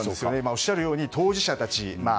おっしゃるように当事者たち